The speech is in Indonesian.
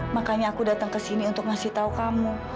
makanya aku datang ke sini untuk ngasih tahu kamu